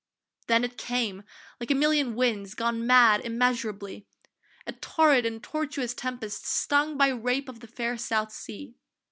Then it came, like a million winds Gone mad immeasurably, A torrid and tortuous tempest stung By rape of the fair South Sea.